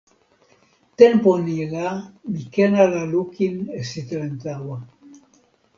tenpo ni la mi ken ala lukin e sitelen tawa.